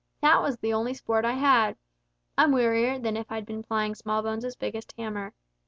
That was the only sport I had! I'm wearier than if I'd been plying Smallbones' biggest hammer.